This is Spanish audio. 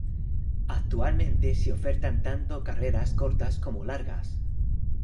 Actualmente se ofertan tanto carreras cortas como largas.